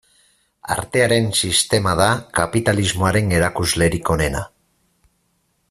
Artearen sistema da kapitalismoaren erakuslerik onena.